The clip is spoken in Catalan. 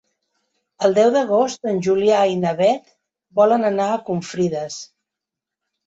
El deu d'agost en Julià i na Beth volen anar a Confrides.